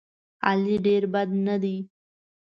علي ډېر بد نه دی.